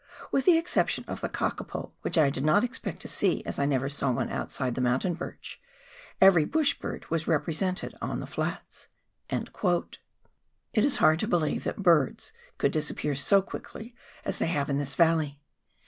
... With the exception of the kakapo (which T did not expect to see, as I never saw one outside the mountain birch), every bush bird was represented on the flats." It is hard to believe that birds could disappear so quickly as they have in this valley.